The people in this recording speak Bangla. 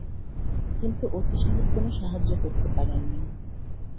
কিন্তু ওসি সাহেব কোনো সাহায্য করতে পারেন নি।